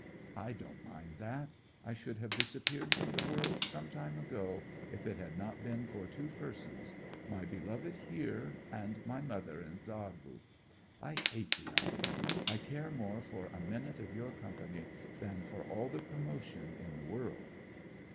'I don't mind that. I should have disappeared from the world some time ago if it had not been for two persons—my beloved, here, and my mother in Saarbrück. I hate the army. I care more for a minute of your company than for all the promotion in the world.